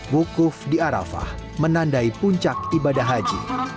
wukuf di arafah menandai puncak ibadah haji